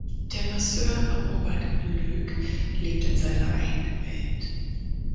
Der Masseur Robert Lueg lebt in seiner eigenen Welt.